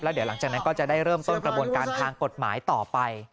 เดี๋ยวหลังจากนั้นก็จะได้เริ่มต้นกระบวนการทางกฎหมายต่อไป